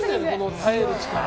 耐える力。